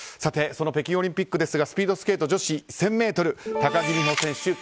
その北京オリンピックですがスピードスケート女子１０００ｍ高木美帆選手